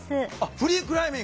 フリークライミング？